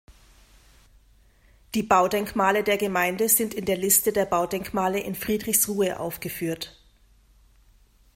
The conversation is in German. Die Baudenkmale der Gemeinde sind in der Liste der Baudenkmale in Friedrichsruhe aufgeführt.